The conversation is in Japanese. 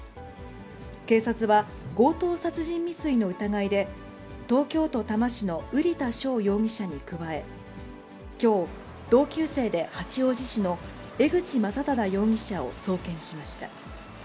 警察は、強盗殺人未遂の疑いで、東京都多摩市の瓜田翔容疑者に加え、きょう、同級生で八王子市の江口将匡容疑者を送検しました。